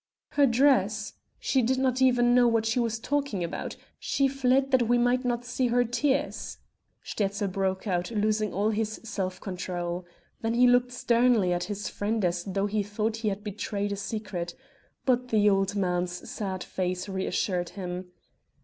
"Her dress!... she did not even know what she was talking about. She fled that we might not see her tears...." Sterzl broke out, losing all his self control. Then he looked sternly at his friend as though he thought he had betrayed a secret But the old man's sad face reassured him.